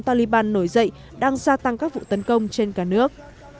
taliban nổi dậy đang gia tăng các vụ tấn công trên cả nước